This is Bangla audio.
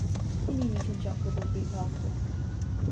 তিনি মিঠুন চক্রবর্তীর ভক্ত।